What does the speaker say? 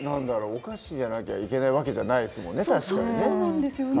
お菓子じゃなきゃいけないわけそうなんですよね。